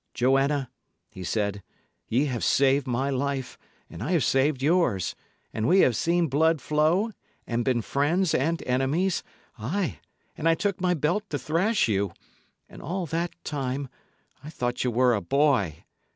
"Joanna," he said, "y' 'ave saved my life, and I have saved yours; and we have seen blood flow, and been friends and enemies ay, and I took my belt to thrash you; and all that time I thought ye were a boy.